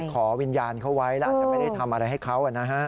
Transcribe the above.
ขอวิญญาณเขาไว้แล้วอาจจะไม่ได้ทำอะไรให้เขานะฮะ